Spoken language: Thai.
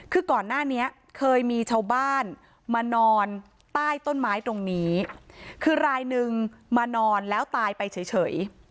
คือก่อนหน้านี้เคยมีชาวบ้านมานอนใต้ต้นไม้ตรงนี้คือรายนึงมานอนแล้วตายไปเฉย